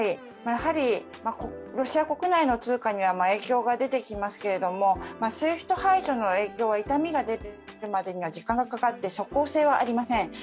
ロシア国内の通過には影響が出てきますけれども、ＳＷＩＦＴ排除の影響が痛みが出るまでに時間がかかって即効性はありません。